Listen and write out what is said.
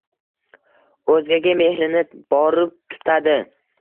O’zgaga mehrini borib tutadi.